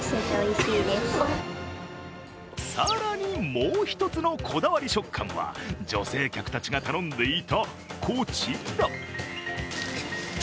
更にもう一つのこだわり食感は女性客たちが頼んでいた、こちら。